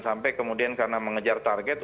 sampai kemudian karena mengejar target